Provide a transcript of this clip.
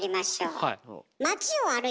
はい。